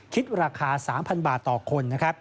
คิดราคา๓๐๐๐บาทต่อคน